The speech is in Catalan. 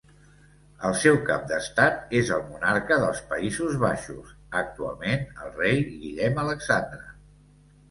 El seu cap d'estat és el Monarca dels Països Baixos, actualment el Rei Guillem Alexandre.